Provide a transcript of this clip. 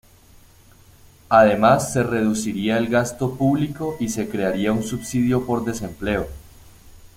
Además se reduciría el gasto público y se crearía un subsidio por desempleo.